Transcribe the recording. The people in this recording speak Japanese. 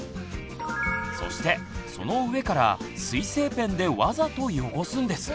そしてその上から水性ペンでわざと汚すんです。